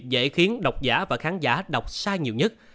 dễ khiến đọc giả và khán giả đọc sai nhiều nhất